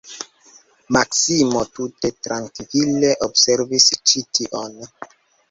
Maksimo tute trankvile observis ĉi tion.